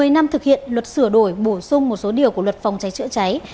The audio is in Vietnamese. một mươi năm thực hiện luật sửa đổi bổ sung một số điều của luật phòng cháy chữa cháy